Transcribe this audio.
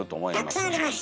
たくさんあります！